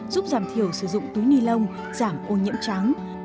giúp giảm thiểu sử dụng túi ni lông giảm ô nhiễm trắng